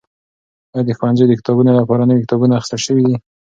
ایا د ښوونځیو د کتابتونونو لپاره نوي کتابونه اخیستل شوي دي؟